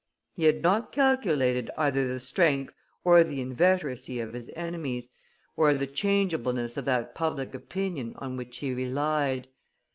He had not calculated either the strength or inveteracy of his enemies, or the changeableness of that public opinion on which he relied.